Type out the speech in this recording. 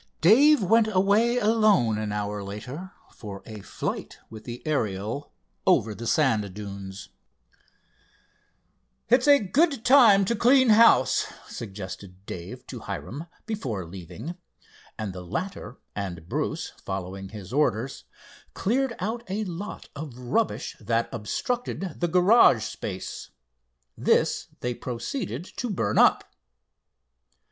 Dave went away alone an hour later for a flight with the Ariel over the sand dunes. "It's a good time to clean house," suggested Dave to Hiram, before leaving, and the latter and Bruce, following his orders, cleared out a lot of rubbish that obstructed the garage space. This they proceeded to burn up.